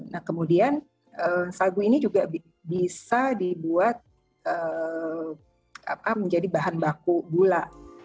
nah kemudian sagu ini juga bisa dibuat menjadi bahan baku gula